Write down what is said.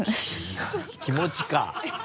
気持ちか。